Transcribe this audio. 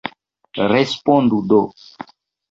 Respondu do!